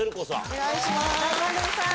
お願いします。